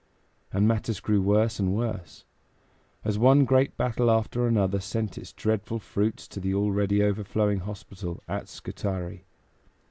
And matters grew worse and worse, as one great battle after another sent its dreadful fruits to the already overflowing hospital at Scutari.